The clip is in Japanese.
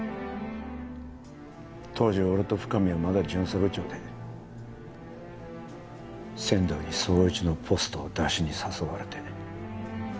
当時俺と深海はまだ巡査部長で千堂に捜一のポストをダシに誘われて。